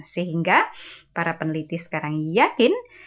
sehingga para peneliti sekarang yakin